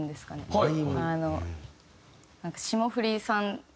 はい。